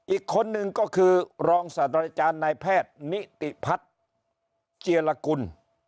อีกคนนึงก็คือรองศาสตราจารย์นายแพทย์นิติพัฒน์เจียรกุล